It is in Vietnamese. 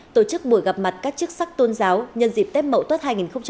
tổ chức buổi gặp mặt các chức sắc tôn giáo nhân dịp tết mậu tuất hai nghìn hai mươi bốn